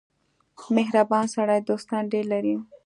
• مهربان سړی دوستان ډېر لري.